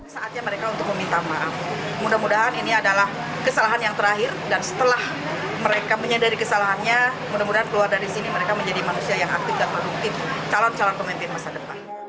saatnya mereka untuk meminta maaf mudah mudahan ini adalah kesalahan yang terakhir dan setelah mereka menyadari kesalahannya mudah mudahan keluar dari sini mereka menjadi manusia yang aktif dan produktif calon calon pemimpin masa depan